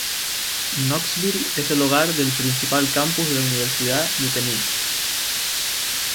Knoxville es el hogar del principal campus de la Universidad de Tennesse.